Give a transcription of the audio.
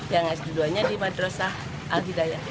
yang sd dua nya di madrasah alhidayah